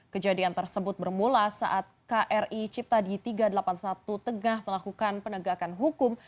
kejadian tersebut bermula saat kri ciptadi tiga ratus delapan puluh satu tengah melakukan penegakan hukum